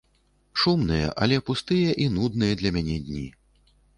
Шумныя, але пустыя і нудныя для мяне дні!